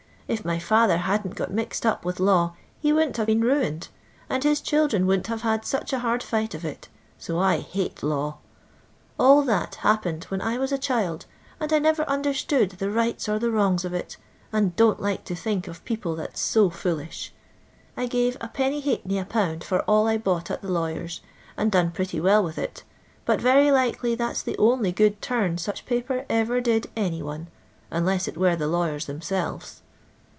If my ftfther hadn't got mixed up with law he wouldn't haTe been ruined, and his children wouldn't have had such a hard fight of it ; so I hate law. All that happened when I was a child, and I never vndentood the rights or the wrongs of it, and doo^t like to think of people that 's so foolish. I pm 14<2. a pound for all I bought at the hiwyers, and done pretty well with it, but very likely diat's the only good turn such paper ever did anyoaa — vnless it were the lawyers themselTea."